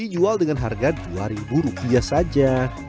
jual dengan harga rp dua saja